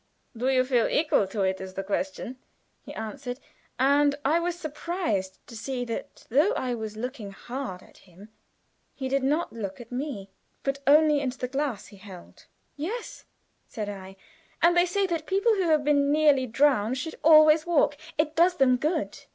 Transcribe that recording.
"Do you feel equal to it? is the question," he answered, and I was surprised to see that though I was looking hard at him he did not look at me, but only into the glass he held. "Yes," said I. "And they say that people who have been nearly drowned should always walk; it does them good."